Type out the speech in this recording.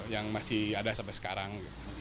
yang masih ada sampai sekarang